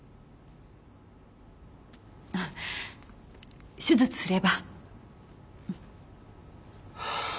あっ手術すれば。